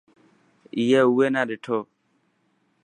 اي اوئي نا ڏٺو.